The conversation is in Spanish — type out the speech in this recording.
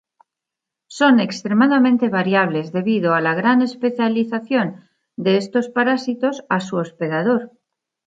Son extremadamente variables debido a la gran especialización de estos parásitos a su hospedador.